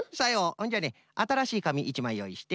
ほんじゃねあたらしいかみ１まいよういして。